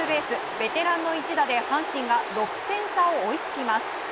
ベテランの一打で阪神が６点差を追いつきます。